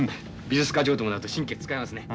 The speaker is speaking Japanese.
美術課長ともなると神経遣いますね。